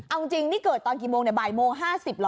เอาจริงนี่เกิดตอนกี่โมงบ่ายโมง๕๐เหรอ